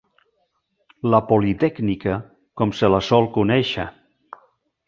La Politècnica, com se la sol conèixer.